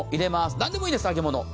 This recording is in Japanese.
なんでもいいです、揚げ物。